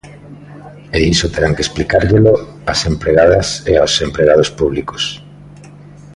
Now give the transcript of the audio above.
E iso terán que explicárllelo ás empregadas e aos empregados públicos.